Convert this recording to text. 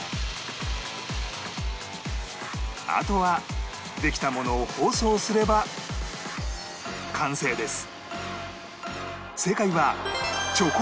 あとはできたものを包装すれば完成です